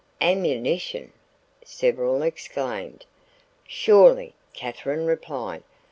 "Ammunition!" several exclaimed. "Surely," Katherine replied.